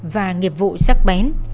và nghiệp vụ sắc bén